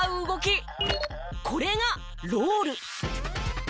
これがロール。